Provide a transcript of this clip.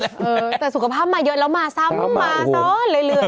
เออแต่สุขภาพมาเยอะแล้วมาซ้ำมาซ้อนเรื่อย